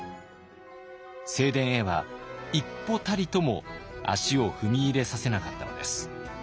正殿へは一歩たりとも足を踏み入れさせなかったのです。